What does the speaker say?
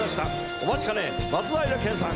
お待ちかね松平健さん。